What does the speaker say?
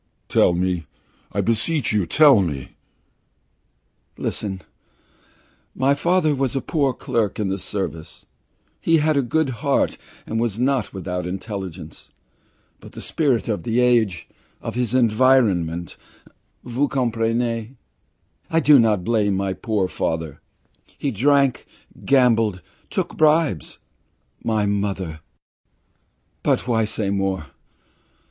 "Tell me! I beseech you, tell me!" "Listen. My father was a poor clerk in the Service. He had a good heart and was not without intelligence; but the spirit of the age of his environment vous comprenez? I do not blame my poor father. He drank, gambled, took bribes. My mother but why say more?